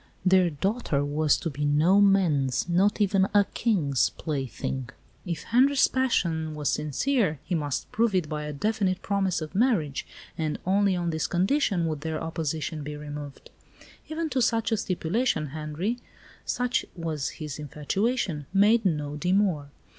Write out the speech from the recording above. Their daughter was to be no man's not even a King's plaything. If Henri's passion was sincere, he must prove it by a definite promise of marriage; and only on this condition would their opposition be removed. Even to such a stipulation Henri, such was his infatuation, made no demur.